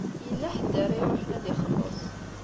Yella ḥedd ara iṛuḥen ad ixelleṣ.